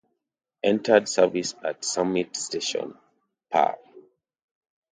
Entered Service at: Summit Station, Pa.